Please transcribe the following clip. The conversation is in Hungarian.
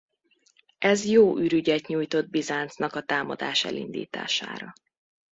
Ez jó ürügyet nyújtott Bizáncnak a támadás elindítására.